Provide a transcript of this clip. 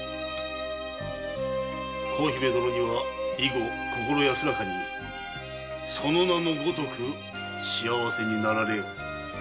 幸姫殿には以後心安らかにその名のごとく幸せになられよ。